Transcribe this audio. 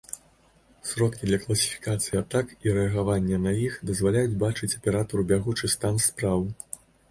Сродкі для класіфікацыі атак і рэагаванне на іх дазваляюць бачыць аператару бягучы стан спраў.